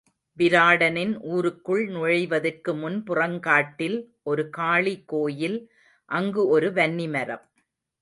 விராடனின் ஊருக்குள் நுழைவதற்கு முன் புறங்காட்டில் ஒரு காளி கோயில் அங்கு ஒரு வன்னிமரம்.